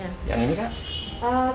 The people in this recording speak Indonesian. yang ini kak